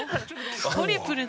トリプルだ。